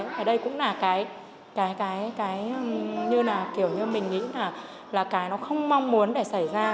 và đây cũng là cái như là kiểu như mình nghĩ là cái nó không mong muốn để xảy ra